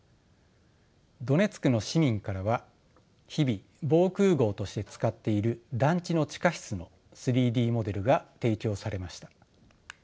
ドネツクの市民からは日々防空壕として使っている団地の地下室の３Ｄモデルが提供されました。